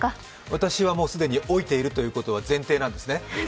私はもう既に老いているということは前提なんですね。